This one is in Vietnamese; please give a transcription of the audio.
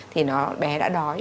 thì bé đã đói